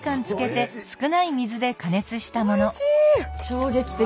衝撃的。